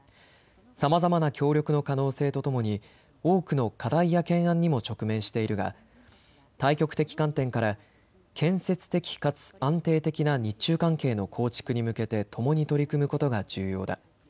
さまざまな協力の可能性とともに多くの課題や懸案にも直面しているが大局的観点から建設的かつ安定的な日中関係の構築に向けてともに取り組むことが重要だ。